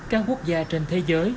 các quốc gia trên thế giới